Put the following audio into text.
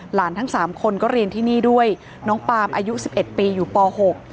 ทั้งสามคนก็เรียนที่นี่ด้วยน้องปามอายุสิบเอ็ดปีอยู่ปหก